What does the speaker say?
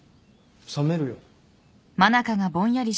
冷めるよ。